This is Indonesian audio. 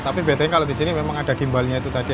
tapi biasanya kalau di sini memang ada gimbalnya itu tadi